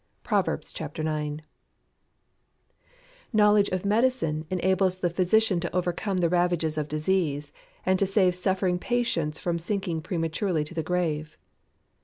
PROVERBS IX.] Knowledge of Medicine enables the physician to overcome the ravages of disease, and to save suffering patients from sinking prematurely to the grave.